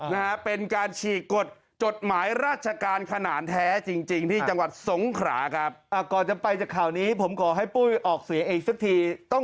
ตอนนี้ผมขอให้ปุ้ยออกเสียงอีกสักที